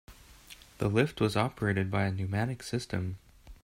The lift was operated by a pneumatic system.